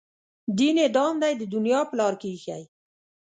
دین یې دام دی د دنیا په لار کې ایښی.